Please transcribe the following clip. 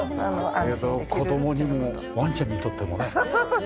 子供にもワンちゃんにとってもね。